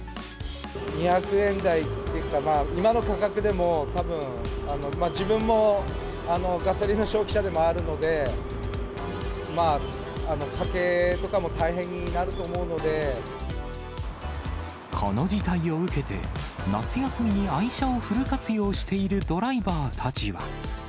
２００円台っていうか、まあ、今の価格でも、たぶん自分もガソリンの消費者でもあるので、まあ、この事態を受けて、夏休みに愛車をフル活用しているドライバーたちは。